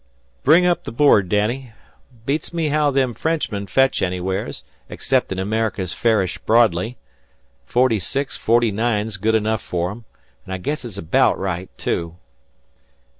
"Bring up the board, Danny. Beats me how them Frenchmen fetch anywheres, exceptin' America's fairish broadly. Forty six forty nine's good enough fer them; an' I guess it's abaout right, too."